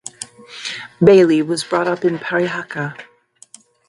Bailey was brought up in Parihaka.